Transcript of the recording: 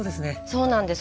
そうなんです。